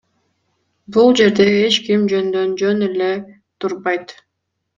Бул жерде эч ким жөндөн жөн эле турбайт.